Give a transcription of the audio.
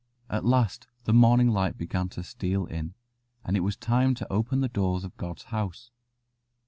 At last the morning light began to steal in, and it was time to open the doors of God's house.